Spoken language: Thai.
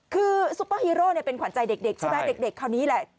คือซุปเปอร์ฮีโร่เป็นขวัญใจเด็กใช่ไหมเด็กคราวนี้แหละ